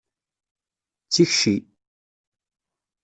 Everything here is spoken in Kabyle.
D tikci.